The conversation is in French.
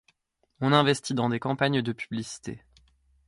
On investit dans des campagnes de publicité.